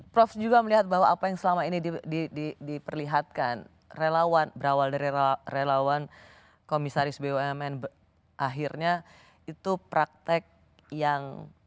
prof juga melihat bahwa apa yang selama ini diperlihatkan relawan berawal dari relawan komisaris bumn akhirnya itu praktek yang